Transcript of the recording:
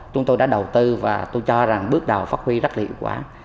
chúng tôi đã đầu tư và tôi cho rằng bước đầu phát huy rất là hiệu quả